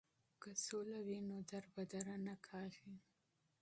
که سوله وي نو دربدره نه کیږي.